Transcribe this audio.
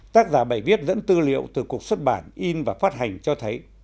tác giả bài viết dẫn tư liệu từ cuộc xuất bản in và phát hành cho thấy